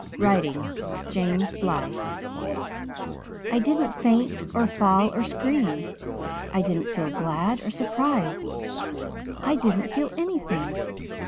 Writing. James Blythe.' "I didn't faint or fall or scream. I didn't feel glad or surprised. I didn't feel anything.